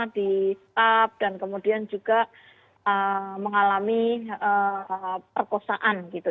di staf dan kemudian juga mengalami perkosaan gitu